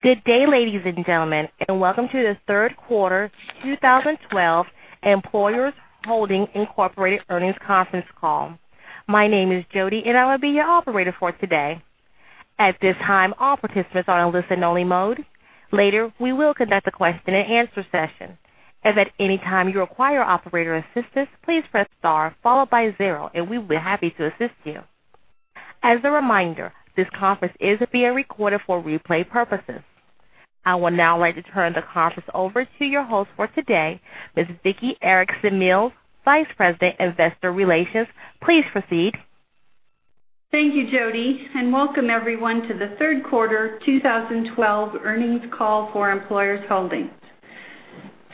Good day, ladies and gentlemen, and welcome to the third quarter 2012 Employers Holdings, Inc. earnings conference call. My name is Jody, and I will be your operator for today. At this time, all participants are on listen only mode. Later, we will conduct a question and answer session. If at any time you require operator assistance, please press star followed by zero, and we will be happy to assist you. As a reminder, this conference is being recorded for replay purposes. I would now like to turn the conference over to your host for today, Ms. Vicki Erickson Mills, Vice President, Investor Relations. Please proceed. Thank you, Jody. Welcome everyone to the third quarter 2012 earnings call for Employers Holdings.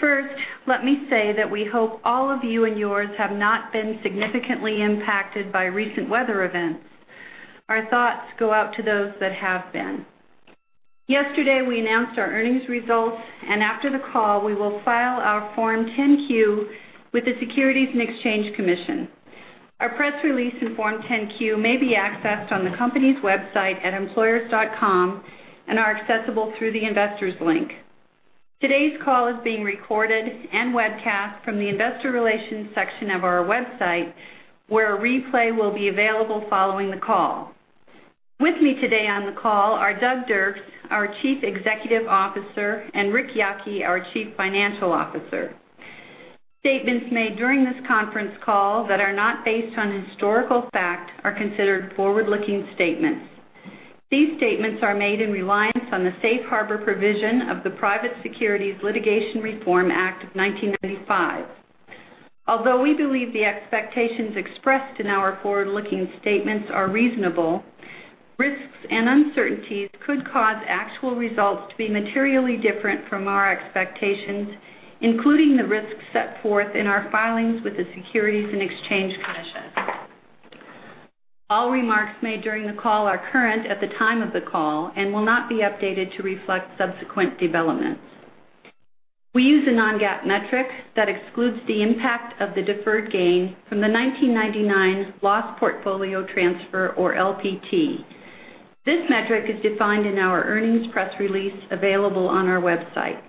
First, let me say that we hope all of you and yours have not been significantly impacted by recent weather events. Our thoughts go out to those that have been. Yesterday, we announced our earnings results. After the call, we will file our Form 10-Q with the Securities and Exchange Commission. Our press release and Form 10-Q may be accessed on the company's website at employers.com and are accessible through the investors link. Today's call is being recorded and webcast from the investor relations section of our website, where a replay will be available following the call. With me today on the call are Doug Dirks, our Chief Executive Officer, and Rick Yocke, our Chief Financial Officer. Statements made during this conference call that are not based on historical fact are considered forward-looking statements. These statements are made in reliance on the safe harbor provision of the Private Securities Litigation Reform Act of 1995. We believe the expectations expressed in our forward-looking statements are reasonable, risks and uncertainties could cause actual results to be materially different from our expectations, including the risks set forth in our filings with the Securities and Exchange Commission. All remarks made during the call are current at the time of the call and will not be updated to reflect subsequent developments. We use a non-GAAP metric that excludes the impact of the deferred gain from the 1999 Loss Portfolio Transfer, or LPT. This metric is defined in our earnings press release available on our website.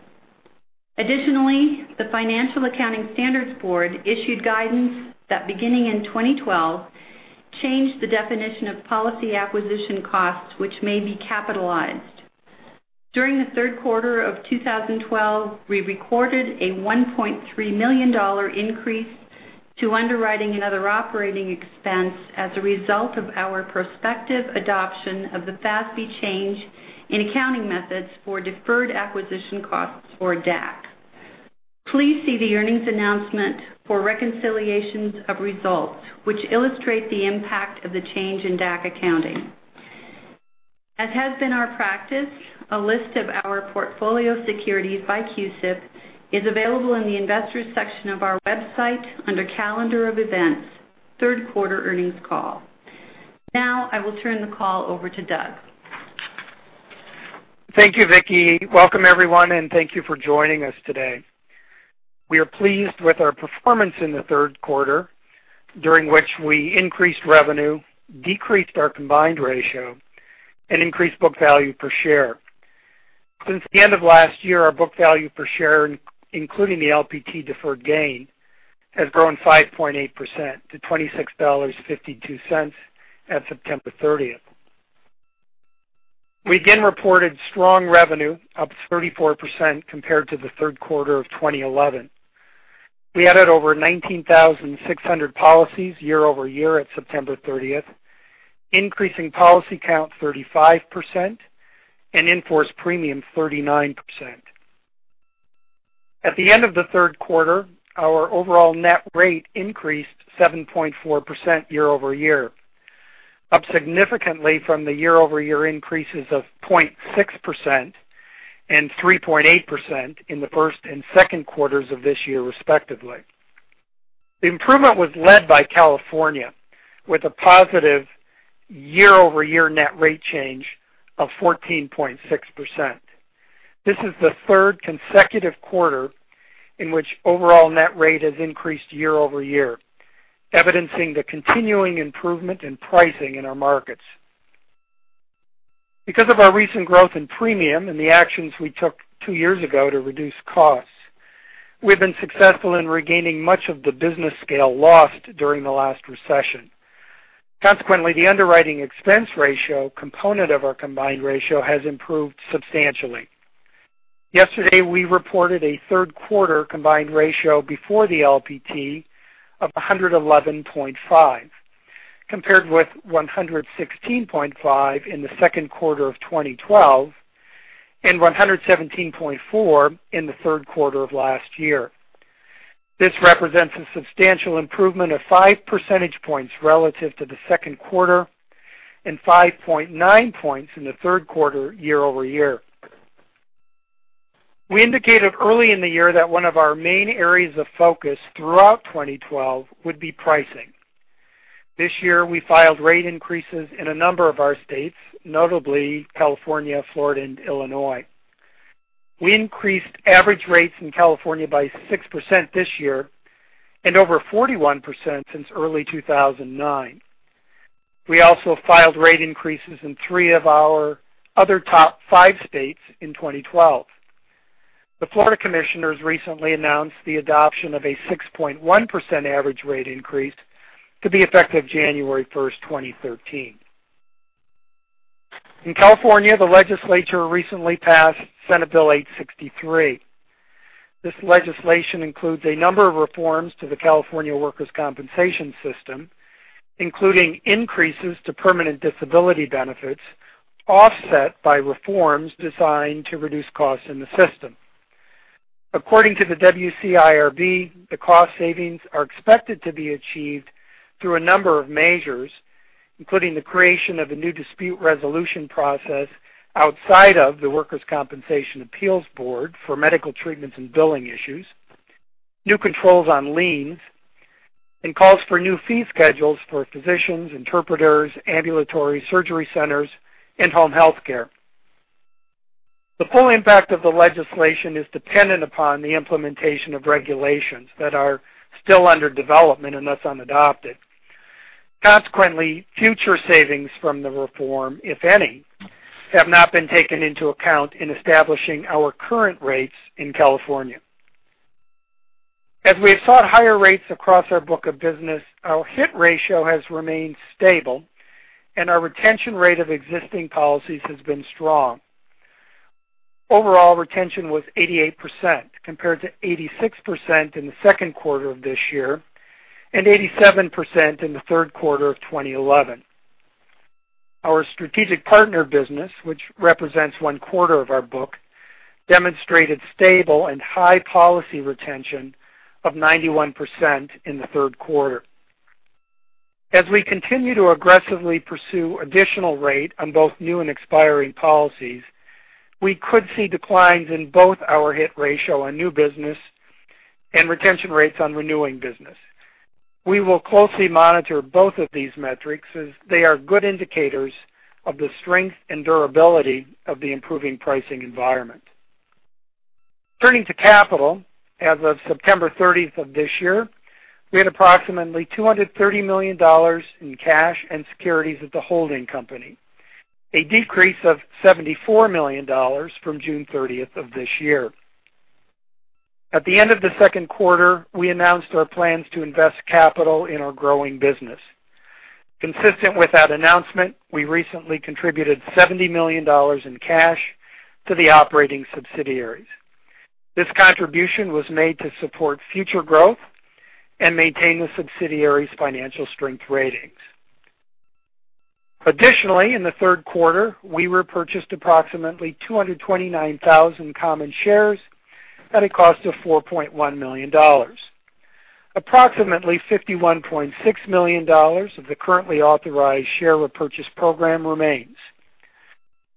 The Financial Accounting Standards Board issued guidance that, beginning in 2012, changed the definition of policy acquisition costs, which may be capitalized. During the third quarter of 2012, we recorded a $1.3 million increase to underwriting and other operating expense as a result of our prospective adoption of the FASB change in accounting methods for deferred acquisition costs or DAC. Please see the earnings announcement for reconciliations of results, which illustrate the impact of the change in DAC accounting. As has been our practice, a list of our portfolio securities by CUSIP is available in the investors section of our website under calendar of events, third quarter earnings call. I will turn the call over to Doug. Thank you, Vicki. Welcome everyone, and thank you for joining us today. We are pleased with our performance in the third quarter, during which we increased revenue, decreased our combined ratio, and increased book value per share. Since the end of last year, our book value per share, including the LPT deferred gain, has grown 5.8% to $26.52 at September 30th. We again reported strong revenue, up 34% compared to the third quarter of 2011. We added over 19,600 policies year-over-year at September 30th, increasing policy count 35%, and in-force premium 39%. At the end of the third quarter, our overall net rate increased 7.4% year-over-year, up significantly from the year-over-year increases of 0.6% and 3.8% in the first and second quarters of this year, respectively. The improvement was led by California with a positive year-over-year net rate change of 14.6%. This is the third consecutive quarter in which overall net rate has increased year-over-year, evidencing the continuing improvement in pricing in our markets. Because of our recent growth in premium and the actions we took two years ago to reduce costs, we've been successful in regaining much of the business scale lost during the last recession. Consequently, the underwriting expense ratio component of our combined ratio has improved substantially. Yesterday, we reported a third quarter combined ratio before the LPT of 111.5, compared with 116.5 in the second quarter of 2012 and 117.4 in the third quarter of last year. This represents a substantial improvement of five percentage points relative to the second quarter and 5.9 points in the third quarter year-over-year. We indicated early in the year that one of our main areas of focus throughout 2012 would be pricing. This year, we filed rate increases in a number of our states, notably California, Florida, and Illinois. We increased average rates in California by 6% this year and over 41% since early 2009. We also filed rate increases in three of our other top five states in 2012. The Florida commissioners recently announced the adoption of a 6.1% average rate increase to be effective January 1st, 2013. In California, the legislature recently passed Senate Bill 863. This legislation includes a number of reforms to the California workers' compensation system, including increases to permanent disability benefits, offset by reforms designed to reduce costs in the system. According to the WCIRB, the cost savings are expected to be achieved through a number of measures, including the creation of a new dispute resolution process outside of the Workers' Compensation Appeals Board for medical treatments and billing issues, new controls on liens, and calls for new fee schedules for physicians, interpreters, ambulatory surgery centers, and home healthcare. The full impact of the legislation is dependent upon the implementation of regulations that are still under development and thus unadopted. Consequently, future savings from the reform, if any, have not been taken into account in establishing our current rates in California. As we have sought higher rates across our book of business, our hit ratio has remained stable, and our retention rate of existing policies has been strong. Overall, retention was 88%, compared to 86% in the second quarter of this year and 87% in the third quarter of 2011. Our strategic partner business, which represents one-quarter of our book, demonstrated stable and high policy retention of 91% in the third quarter. As we continue to aggressively pursue additional rate on both new and expiring policies, we could see declines in both our hit ratio on new business and retention rates on renewing business. We will closely monitor both of these metrics as they are good indicators of the strength and durability of the improving pricing environment. Turning to capital, as of September 30th of this year, we had approximately $230 million in cash and securities at the holding company, a decrease of $74 million from June 30th of this year. At the end of the second quarter, we announced our plans to invest capital in our growing business. Consistent with that announcement, we recently contributed $70 million in cash to the operating subsidiaries. This contribution was made to support future growth and maintain the subsidiaries' financial strength ratings. Additionally, in the third quarter, we repurchased approximately 229,000 common shares at a cost of $4.1 million. Approximately $51.6 million of the currently authorized share repurchase program remains.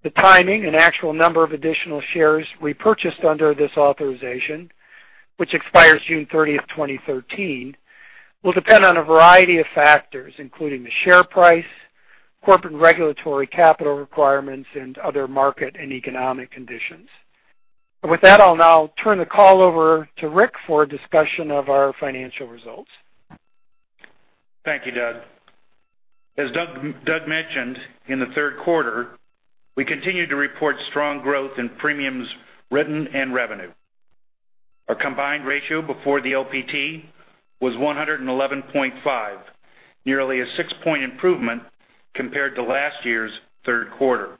The timing and actual number of additional shares repurchased under this authorization, which expires June 30th, 2013, will depend on a variety of factors, including the share price, corporate regulatory capital requirements, and other market and economic conditions. With that, I'll now turn the call over to Rick for a discussion of our financial results. Thank you, Doug. As Doug mentioned, in the third quarter, we continued to report strong growth in premiums written and revenue. Our combined ratio before the LPT was 111.5, nearly a six-point improvement compared to last year's third quarter.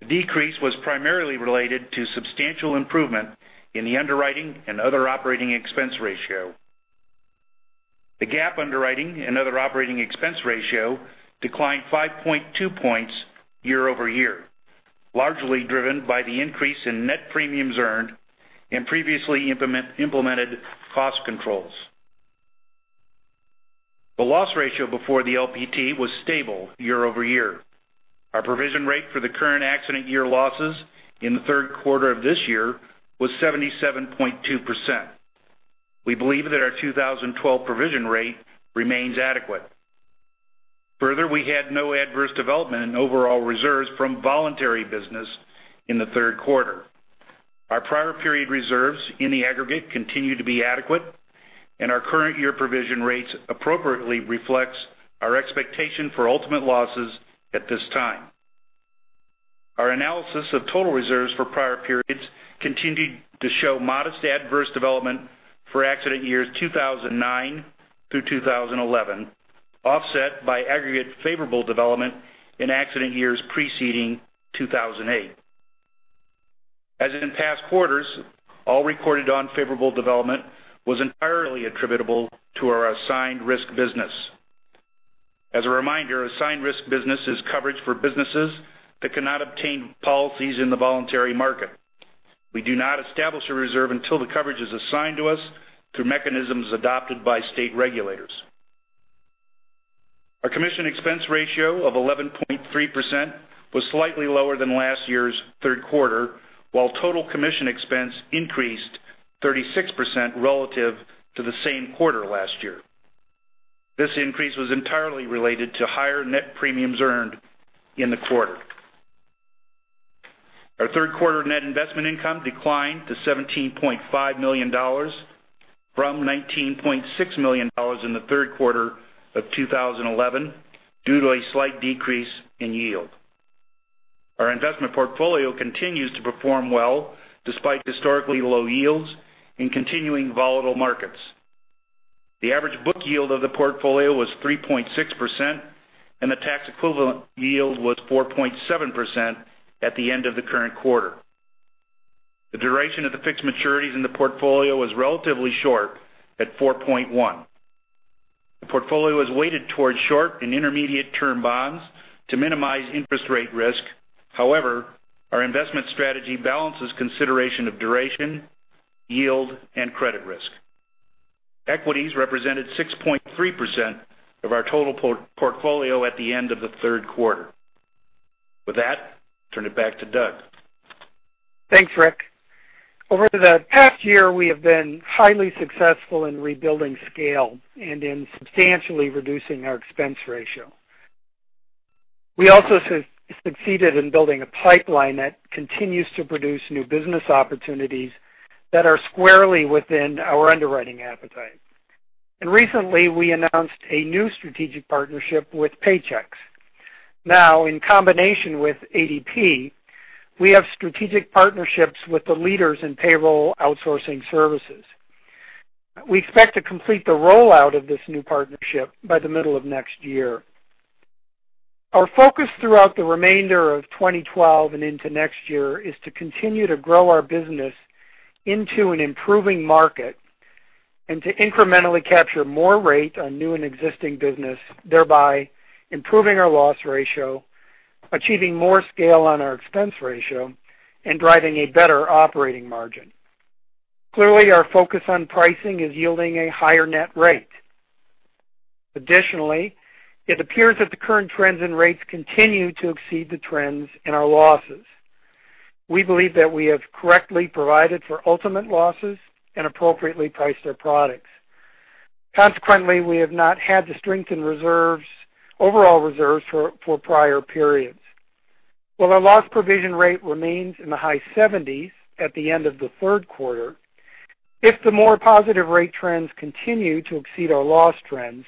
The decrease was primarily related to substantial improvement in the underwriting and other operating expense ratio. The GAAP underwriting and other operating expense ratio declined 5.2 points year-over-year, largely driven by the increase in net premiums earned and previously implemented cost controls. The loss ratio before the LPT was stable year-over-year. Our provision rate for the current accident year losses in the third quarter of this year was 77.2%. We believe that our 2012 provision rate remains adequate. Further, we had no adverse development in overall reserves from voluntary business in the third quarter. Our prior period reserves in the aggregate continue to be adequate. Our current year provision rates appropriately reflects our expectation for ultimate losses at this time. Our analysis of total reserves for prior periods continued to show modest adverse development for accident years 2009 through 2011, offset by aggregate favorable development in accident years preceding 2008. As in past quarters, all recorded unfavorable development was entirely attributable to our assigned risk business. As a reminder, assigned risk business is coverage for businesses that cannot obtain policies in the voluntary market. We do not establish a reserve until the coverage is assigned to us through mechanisms adopted by state regulators. Our commission expense ratio of 11.3% was slightly lower than last year's third quarter, while total commission expense increased 36% relative to the same quarter last year. This increase was entirely related to higher net premiums earned in the quarter. Our third quarter net investment income declined to $17.5 million from $19.6 million in the third quarter of 2011 due to a slight decrease in yield. Our investment portfolio continues to perform well despite historically low yields and continuing volatile markets. The average book yield of the portfolio was 3.6%, and the tax equivalent yield was 4.7% at the end of the current quarter. The duration of the fixed maturities in the portfolio was relatively short at 4.1. The portfolio was weighted towards short and intermediate term bonds to minimize interest rate risk. However, our investment strategy balances consideration of duration, yield, and credit risk. Equities represented 6.3% of our total portfolio at the end of the third quarter. With that, turn it back to Doug. Thanks, Rick. Over the past year, we have been highly successful in rebuilding scale and in substantially reducing our expense ratio. We also succeeded in building a pipeline that continues to produce new business opportunities that are squarely within our underwriting appetite. Recently, we announced a new strategic partnership with Paychex. In combination with ADP, we have strategic partnerships with the leaders in payroll outsourcing services. We expect to complete the rollout of this new partnership by the middle of next year. Our focus throughout the remainder of 2012 and into next year is to continue to grow our business into an improving market and to incrementally capture more rate on new and existing business, thereby improving our loss ratio, achieving more scale on our expense ratio, and driving a better operating margin. Clearly, our focus on pricing is yielding a higher net rate. Additionally, it appears that the current trends and rates continue to exceed the trends and our losses. We believe that we have correctly provided for ultimate losses and appropriately priced our products. Consequently, we have not had to strengthen overall reserves for prior periods. While our loss provision rate remains in the high 70s at the end of the third quarter, if the more positive rate trends continue to exceed our loss trends,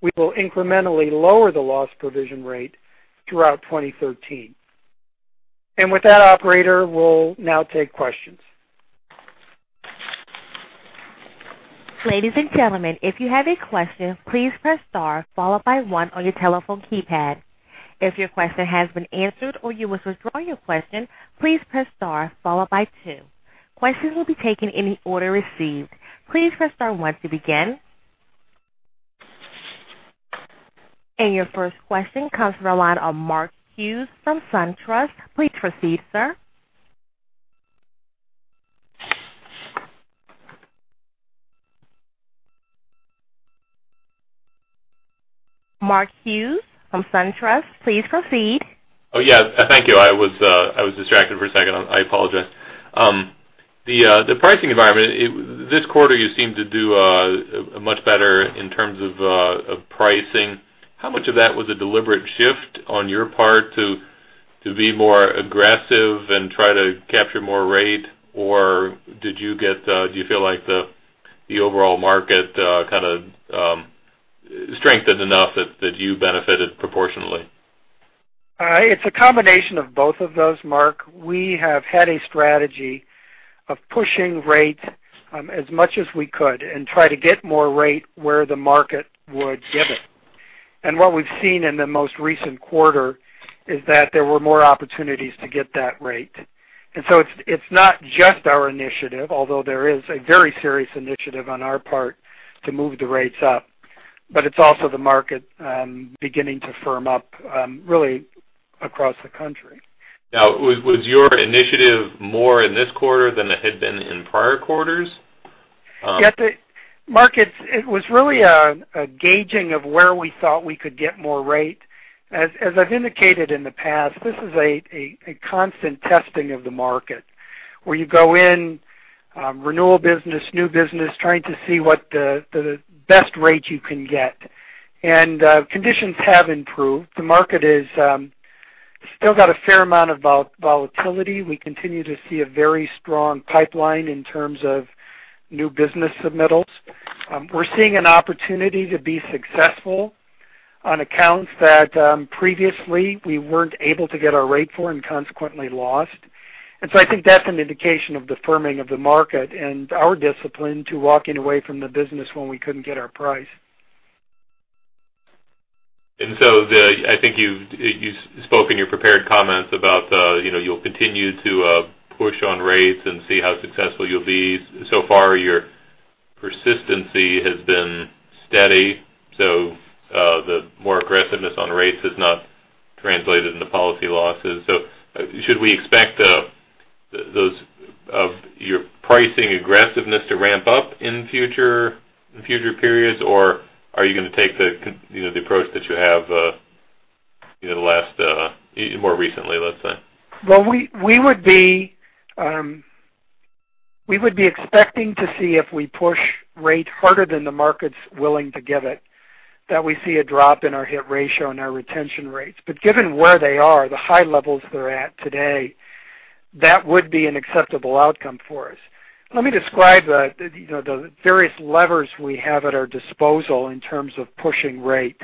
we will incrementally lower the loss provision rate throughout 2013. With that operator, we will now take questions. Ladies and gentlemen, if you have a question, please press star followed by one on your telephone keypad. If your question has been answered or you wish to withdraw your question, please press star followed by two. Questions will be taken in the order received. Please press star one to begin. Your first question comes from the line of Mark Hughes from SunTrust. Please proceed, sir. Mark Hughes from SunTrust, please proceed. Oh, yeah. Thank you. I was distracted for a second. I apologize. The pricing environment, this quarter, you seem to do much better in terms of pricing. How much of that was a deliberate shift on your part to be more aggressive and try to capture more rate? Or do you feel like the overall market kind of strengthened enough that you benefited proportionately? It's a combination of both of those, Mark. We have had a strategy of pushing rate as much as we could and try to get more rate where the market would give it. What we've seen in the most recent quarter is that there were more opportunities to get that rate. It's not just our initiative, although there is a very serious initiative on our part to move the rates up, but it's also the market beginning to firm up, really across the country. Now, was your initiative more in this quarter than it had been in prior quarters? Mark, it was really a gauging of where we thought we could get more rate. As I've indicated in the past, this is a constant testing of the market, where you go in renewal business, new business, trying to see what the best rate you can get. Conditions have improved. The market is still got a fair amount of volatility. We continue to see a very strong pipeline in terms of new business submittals. We're seeing an opportunity to be successful on accounts that previously we weren't able to get our rate for and consequently lost. I think that's an indication of the firming of the market and our discipline to walking away from the business when we couldn't get our price. I think you spoke in your prepared comments about you'll continue to push on rates and see how successful you'll be. So far, your persistency has been steady, so the more aggressiveness on rates has not translated into policy losses. Should we expect your pricing aggressiveness to ramp up in future periods, or are you going to take the approach that you have more recently, let's say? We would be expecting to see if we push rate harder than the market's willing to give it, that we see a drop in our hit ratio and our retention rates. Given where they are, the high levels they're at today, that would be an acceptable outcome for us. Let me describe the various levers we have at our disposal in terms of pushing rate.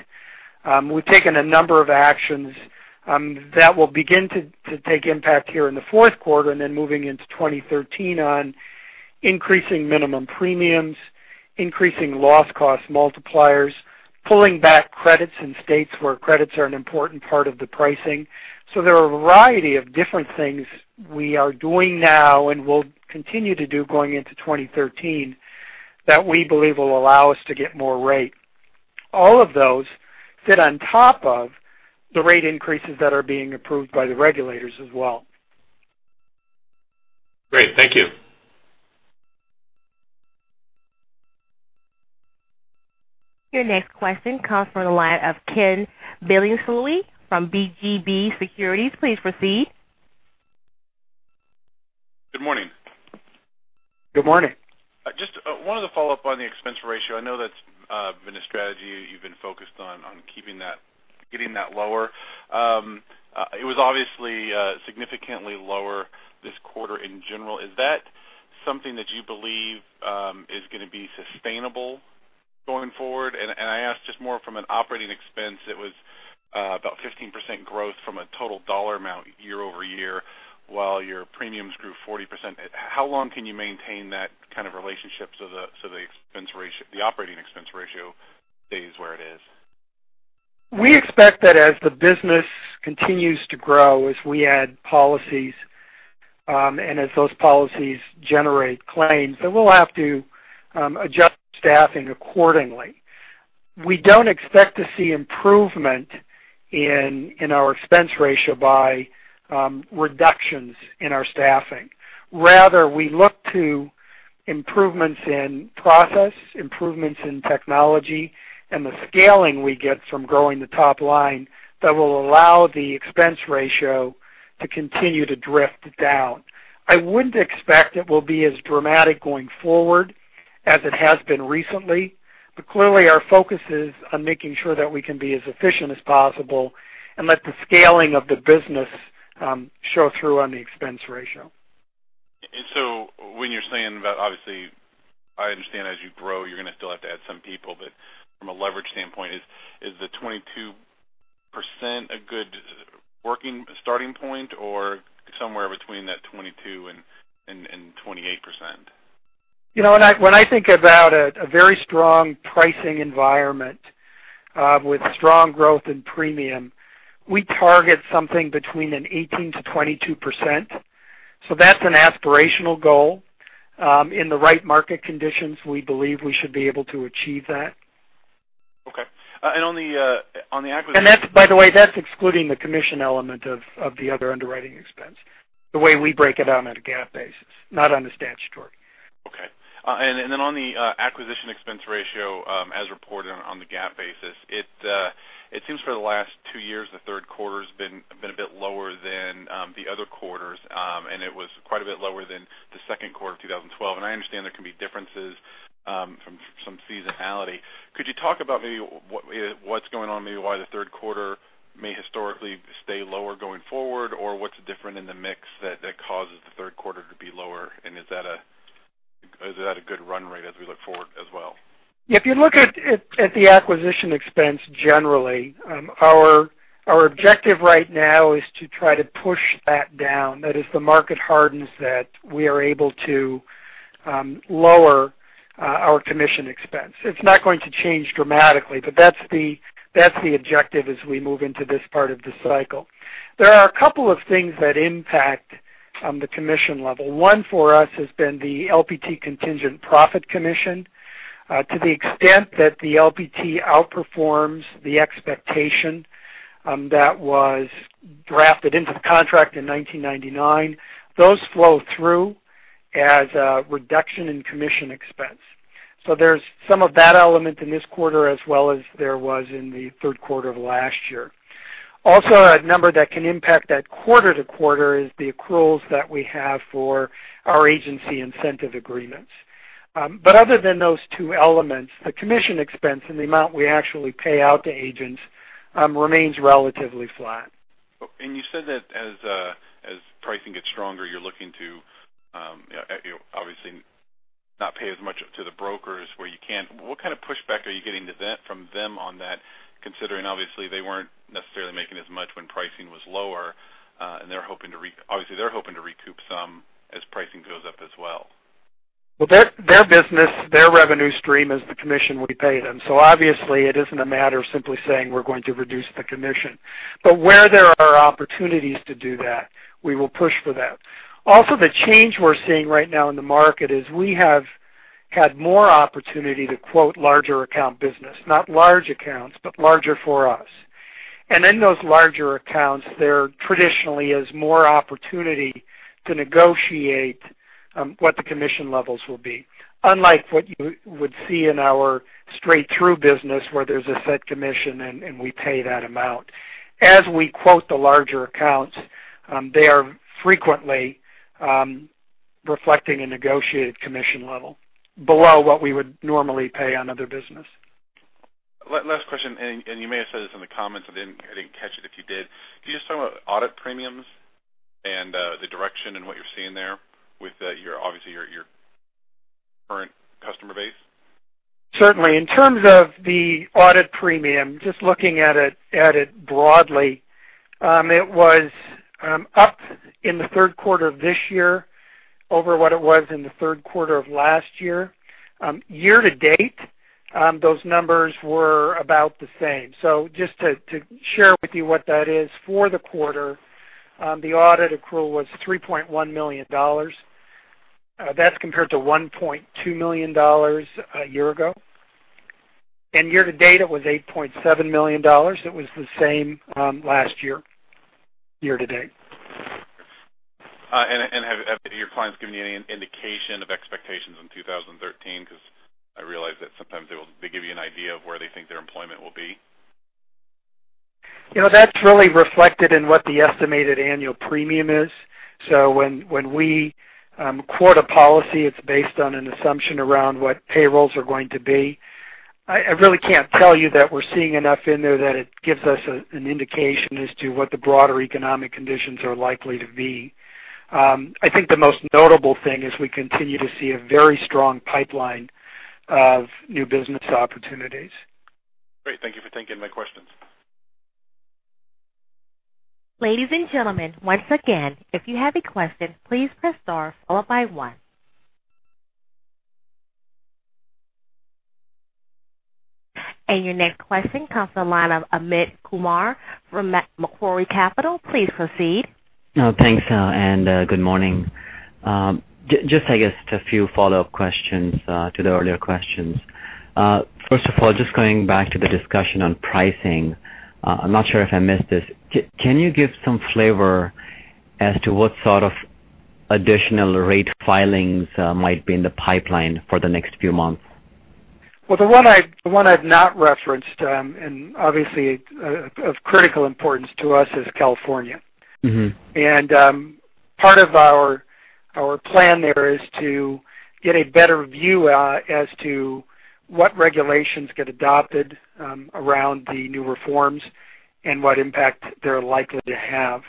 We've taken a number of actions that will begin to take impact here in the fourth quarter and then moving into 2013 on increasing minimum premiums, increasing loss cost multipliers, pulling back credits in states where credits are an important part of the pricing. There are a variety of different things we are doing now and will continue to do going into 2013 that we believe will allow us to get more rate. All of those sit on top of the rate increases that are being approved by the regulators as well. Great. Thank you. Your next question comes from the line of Ken Bilusoly from BGB Securities. Please proceed. Good morning. Good morning. Just wanted to follow up on the expense ratio. I know that's been a strategy you've been focused on getting that lower. It was obviously significantly lower this quarter in general. Is that something that you believe is going to be sustainable going forward? I ask just more from an operating expense. It was about 15% growth from a total dollar amount year-over-year, while your premiums grew 40%. How long can you maintain that kind of relationship so the operating expense ratio stays where it is? We expect that as the business continues to grow, as we add policies, and as those policies generate claims, then we'll have to adjust staffing accordingly. We don't expect to see improvement in our expense ratio by reductions in our staffing. Rather, we look to improvements in process, improvements in technology, and the scaling we get from growing the top line that will allow the expense ratio to continue to drift down. I wouldn't expect it will be as dramatic going forward as it has been recently, but clearly our focus is on making sure that we can be as efficient as possible and let the scaling of the business show through on the expense ratio. When you're saying that, obviously, I understand as you grow, you're going to still have to add some people, but from a leverage standpoint, is the 22% a good working starting point or somewhere between that 22% and 28%? When I think about a very strong pricing environment with strong growth in premium, we target something between an 18%-22%. That's an aspirational goal. In the right market conditions, we believe we should be able to achieve that. Okay. By the way, that's excluding the commission element of the other underwriting expense, the way we break it down at a GAAP basis, not on the statutory. Okay. On the acquisition expense ratio, as reported on the GAAP basis, it seems for the last two years, the third quarter's been a bit lower than the other quarters. It was quite a bit lower than the second quarter of 2012. I understand there can be differences from some seasonality. Could you talk about maybe what's going on, maybe why the third quarter may historically stay lower going forward, or what's different in the mix that causes the third quarter to be lower? Is that a good run rate as we look forward as well? If you look at the acquisition expense generally, our objective right now is to try to push that down. That is, the market hardens that, we are able to lower our commission expense. It's not going to change dramatically, but that's the objective as we move into this part of the cycle. There are a couple of things that impact the commission level. One for us has been the LPT contingent profit commission. To the extent that the LPT outperforms the expectation that was drafted into the contract in 1999, those flow through as a reduction in commission expense. There's some of that element in this quarter, as well as there was in the third quarter of last year. Also, a number that can impact that quarter to quarter is the accruals that we have for our agency incentive agreements. Other than those two elements, the commission expense and the amount we actually pay out to agents remains relatively flat. You said that as pricing gets stronger, you're looking to obviously not pay as much to the brokers where you can. What kind of pushback are you getting from them on that, considering obviously they weren't necessarily making as much when pricing was lower, and obviously they're hoping to recoup some as pricing goes up as well? Well, their business, their revenue stream is the commission we pay them. Obviously it isn't a matter of simply saying we're going to reduce the commission. Where there are opportunities to do that, we will push for that. Also, the change we're seeing right now in the market is we have had more opportunity to quote larger account business, not large accounts, but larger for us. In those larger accounts, there traditionally is more opportunity to negotiate what the commission levels will be. Unlike what you would see in our straight-through business where there's a set commission, and we pay that amount. As we quote the larger accounts, they are frequently reflecting a negotiated commission level below what we would normally pay on other business. Last question, and you may have said this in the comments, I didn't catch it if you did. Can you just talk about audit premiums and the direction and what you're seeing there with, obviously, your current customer base? Certainly. In terms of the audit premium, just looking at it broadly, it was up in the third quarter of this year over what it was in the third quarter of last year. Year-to-date, those numbers were about the same. Just to share with you what that is for the quarter, the audit accrual was $3.1 million. That's compared to $1.2 million a year ago. Year-to-date, it was $8.7 million. It was the same last year-to-date. Have your clients given you any indication of expectations in 2013? I realize that sometimes they give you an idea of where they think their employment will be. That's really reflected in what the estimated annual premium is. When we quote a policy, it's based on an assumption around what payrolls are going to be. I really can't tell you that we're seeing enough in there that it gives us an indication as to what the broader economic conditions are likely to be. I think the most notable thing is we continue to see a very strong pipeline of new business opportunities. Great. Thank you for taking my questions. Ladies and gentlemen, once again, if you have a question, please press star followed by one. Your next question comes from the line of Amit Kumar from Macquarie Capital. Please proceed. Thanks, good morning. Just, I guess, a few follow-up questions to the earlier questions. First of all, just going back to the discussion on pricing, I'm not sure if I missed this. Can you give some flavor as to what sort of additional rate filings might be in the pipeline for the next few months? Well, the one I've not referenced, obviously of critical importance to us, is California. Part of our plan there is to get a better view as to what regulations get adopted around the new reforms and what impact they're likely to have.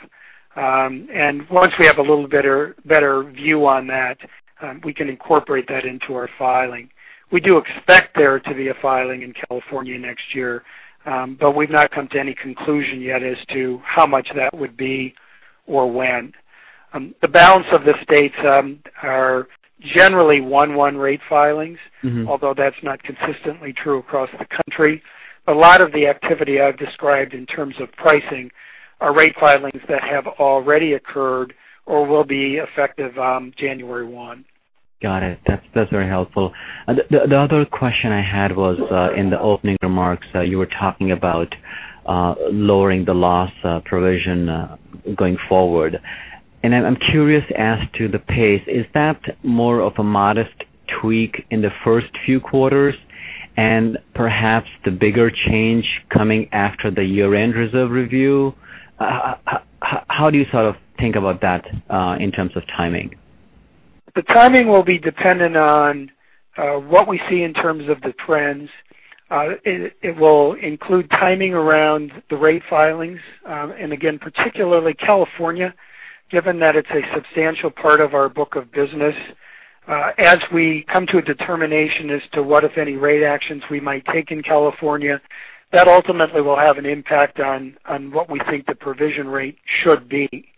Once we have a little better view on that, we can incorporate that into our filing. We do expect there to be a filing in California next year, we've not come to any conclusion yet as to how much that would be or when. The balance of the states are generally 1/1 rate filings- Although that's not consistently true across the country. A lot of the activity I've described in terms of pricing are rate filings that have already occurred or will be effective January 1. Got it. That's very helpful. The other question I had was in the opening remarks, you were talking about lowering the loss provision going forward. I'm curious as to the pace. Is that more of a modest tweak in the first few quarters, and perhaps the bigger change coming after the year-end reserve review? How do you sort of think about that in terms of timing? The timing will be dependent on what we see in terms of the trends. It will include timing around the rate filings, and again, particularly California, given that it's a substantial part of our book of business. As we come to a determination as to what, if any, rate actions we might take in California, that ultimately will have an impact on what we think the provision rate should be.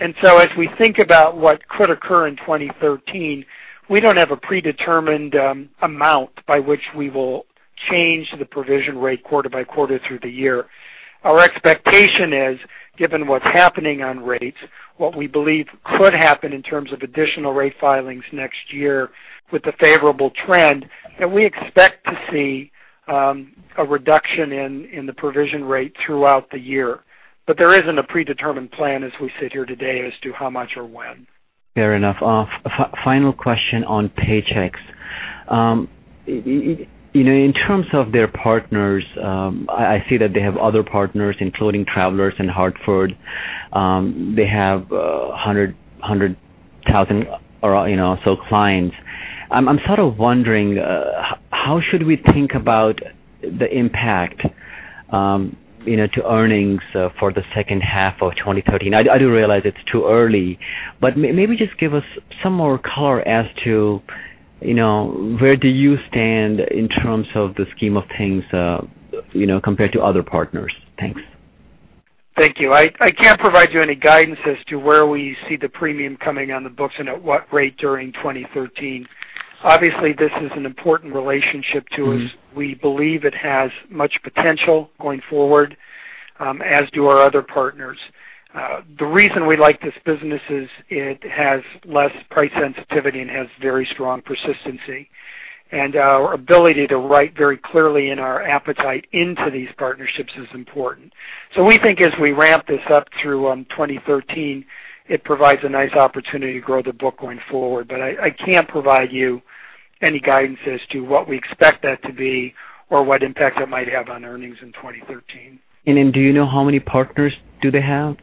As we think about what could occur in 2013, we don't have a predetermined amount by which we will change the provision rate quarter by quarter through the year. Our expectation is, given what's happening on rates, what we believe could happen in terms of additional rate filings next year with the favorable trend, that we expect to see a reduction in the provision rate throughout the year. There isn't a predetermined plan as we sit here today as to how much or when. Fair enough. Final question on Paychex. In terms of their partners, I see that they have other partners, including Travelers and The Hartford. They have 100,000 or so clients. I'm sort of wondering, how should we think about the impact to earnings for the second half of 2013? I do realize it's too early, maybe just give us some more color as to where do you stand in terms of the scheme of things, compared to other partners. Thanks. Thank you. I can't provide you any guidance as to where we see the premium coming on the books and at what rate during 2013. Obviously, this is an important relationship to us. We believe it has much potential going forward, as do our other partners. The reason we like this business is it has less price sensitivity and has very strong persistency. Our ability to write very clearly in our appetite into these partnerships is important. We think as we ramp this up through 2013, it provides a nice opportunity to grow the book going forward. I can't provide you any guidance as to what we expect that to be or what impact it might have on earnings in 2013. Do you know how many partners do they have?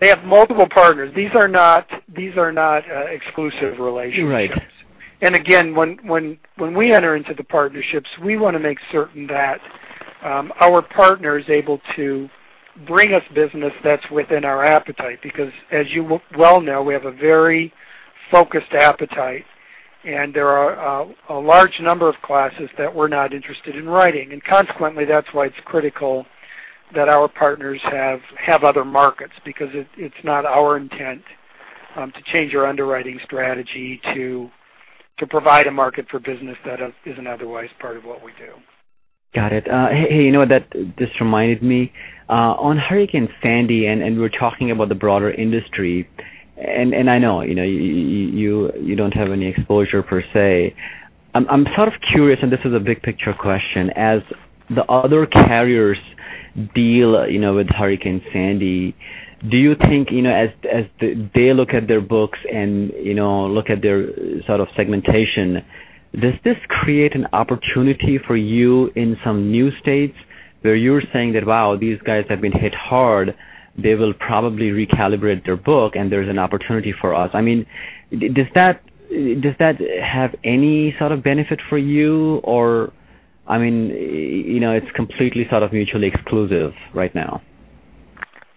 They have multiple partners. These are not exclusive relationships. Right. Again, when we enter into the partnerships, we want to make certain that our partner is able to bring us business that's within our appetite, because as you well know, we have a very focused appetite, and there are a large number of classes that we're not interested in writing. Consequently, that's why it's critical that our partners have other markets, because it's not our intent to change our underwriting strategy to provide a market for business that isn't otherwise part of what we do. Got it. Hey, you know what? This reminded me. On Hurricane Sandy, we're talking about the broader industry, and I know you don't have any exposure per se. I'm sort of curious, and this is a big picture question, as the other carriers deal with Hurricane Sandy, do you think, as they look at their books and look at their sort of segmentation, does this create an opportunity for you in some new states where you're saying that, wow, these guys have been hit hard, they will probably recalibrate their book, and there's an opportunity for us? I mean, does that have any sort of benefit for you? Or, I mean, it's completely sort of mutually exclusive right now.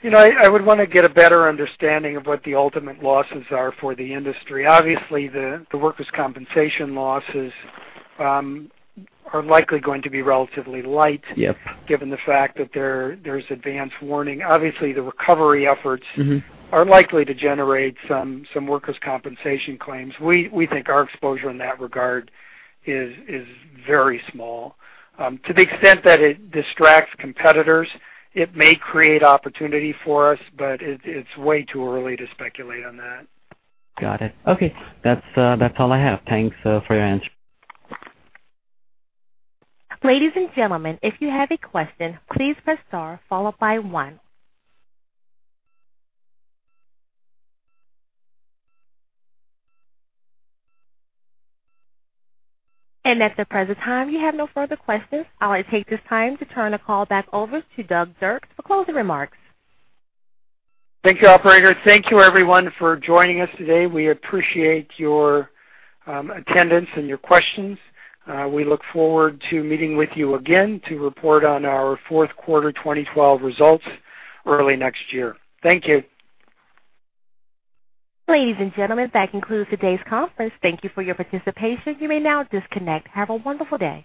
I would want to get a better understanding of what the ultimate losses are for the industry. Obviously, the workers' compensation losses are likely going to be relatively light. Yep given the fact that there's advanced warning. Obviously, the recovery efforts. are likely to generate some workers' compensation claims. We think our exposure in that regard is very small. To the extent that it distracts competitors, it may create opportunity for us, but it's way too early to speculate on that. Got it. Okay. That's all I have. Thanks for your answer. Ladies and gentlemen, if you have a question, please press star followed by one. At the present time, we have no further questions. I will take this time to turn the call back over to Doug Dirks for closing remarks. Thank you, operator. Thank you, everyone, for joining us today. We appreciate your attendance and your questions. We look forward to meeting with you again to report on our fourth quarter 2012 results early next year. Thank you. Ladies and gentlemen, that concludes today's conference. Thank you for your participation. You may now disconnect. Have a wonderful day.